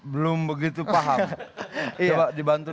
belum begitu paham